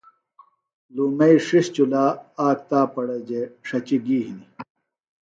لُومئیۡ ݜِݜ چُلا آک تاپڑہ جےۡ ݜچیۡ گی ہنیۡ